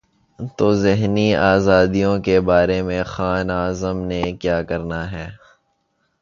تو ذہنی آزادیوں کے بارے میں خان اعظم نے کیا کرنا ہے۔